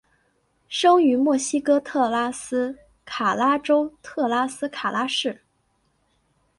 生于墨西哥特拉斯卡拉州特拉斯卡拉市。